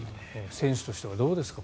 選手としてはどうですか？